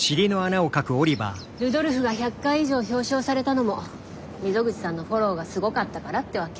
ルドルフが１００回以上表彰されたのも溝口さんのフォローがすごかったからってわけ。